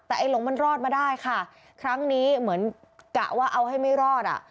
แต่ไอ้หลงมันรอดมาได้ค่ะครั้งนี้เหมือนกะว่าเอาให้ไม่รอดอ่ะ